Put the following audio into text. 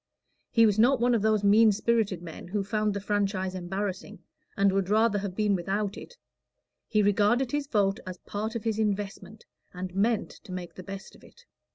He was not one of those mean spirited men who found the franchise embarrassing, and would rather have been without it: he regarded his vote as part of his investment, and meant to make the best of it.